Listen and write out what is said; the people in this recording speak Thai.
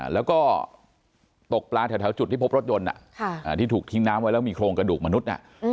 แล้วก็ตกปลาแถวจุดที่พบรถยนต์ที่ถูกทิ้งน้ำไว้แล้วมีโครงกระดูกมนุษย์